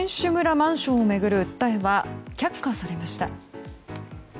マンションを巡る訴えは却下されました。